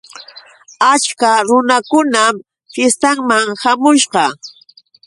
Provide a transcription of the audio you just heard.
Achka runakunam fiestaman hamushqa.